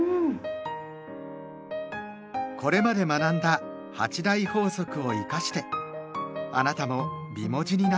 これまで学んだ「８大法則」を生かしてあなたも美文字になって下さい。